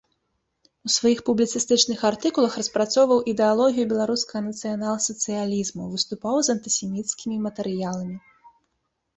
У сваіх публіцыстычных артыкулах распрацоўваў ідэалогію беларускага нацыянал-сацыялізму, выступаў з антысеміцкімі матэрыяламі.